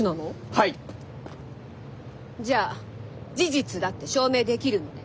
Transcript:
はい！じゃあ事実だって証明できるのね？